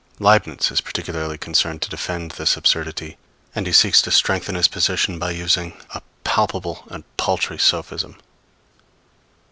Leibnitz is particularly concerned to defend this absurdity; and he seeks to strengthen his position by using a palpable and paltry sophism.